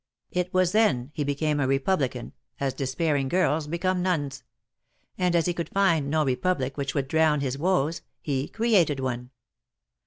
It was then he became a Republican, as despairing girls become nuns —■ and as he could find no Republic which would drown his woes, he created one.